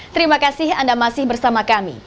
terima kasih anda masih bersama kami